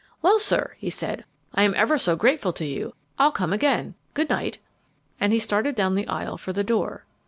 "Well, sir," he said, "I am ever so grateful to you. I'll come again. Good night." And he started down the aisle for the door.